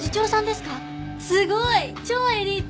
すごい超エリート！